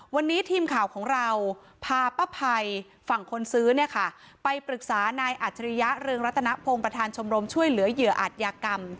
วันนี้ทีมข่าวของเราพาป้าภัยฝั่งคนซื้อเนี่ยค่ะไปปรึกษานายอัจฉริยะเรืองรัตนพงศ์ประธานชมรมช่วยเหลือเหยื่ออาจยากรรม